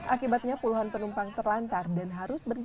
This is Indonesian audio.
akibatnya puluhan penumpang terlantar dan harus berjalan